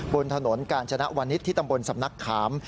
บนถนนกาญจนวนิษฐ์ที่ตำบลสำนักขาม